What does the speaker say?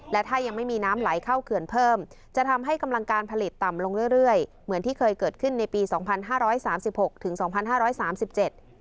และถ้ายังไม่มีน้ำไหลเข้าเขื่อนเพิ่มจะทำให้กำลังการผลิตต่ำลงเรื่อยเรื่อยเหมือนที่เคยเกิดขึ้นในปีสองพันห้าร้อยสามสิบหกถึงสองพันห้าร้อยสามสิบเจ็ด